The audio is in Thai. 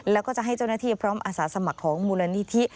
แล้วก็จะให้เจ้าหน้าที่พร้อมอาสาสมัครของมูลนิธิ